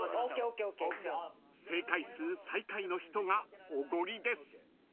［正解数最下位の人がおごりです］